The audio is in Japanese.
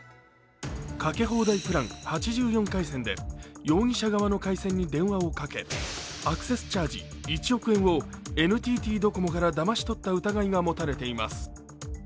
かけ放題プラン８４回線で容疑者側の回線に電話をかけアクセスチャージ１億円をＮＴＴドコモからだまし取った疑いが持たれています。